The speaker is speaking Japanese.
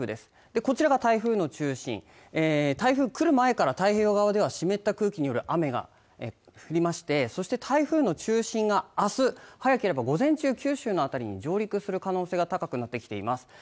こちらが台風の中心台風くる前から太平洋側では湿った空気による雨が降りましてそして台風の中心が明日早ければ午前中、九州の辺りに上陸する可能性が高くなってきています